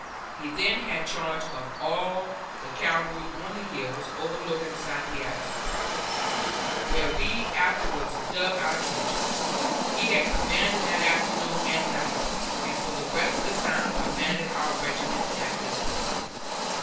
He then had charge of all the cavalry on the hills overlooking Santiago, where we afterwards dug our trenches. He had command that afternoon and night, and for the rest of the time commanded our regiment at this point.